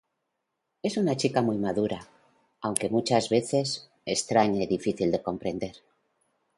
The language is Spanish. Es una chica muy madura aunque muchas veces extraña y difícil de comprender.